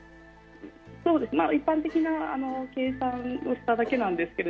そうです、一般的な計算をしただけなんですけど。